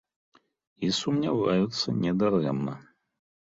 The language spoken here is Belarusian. І сумняваюцца не дарэмна.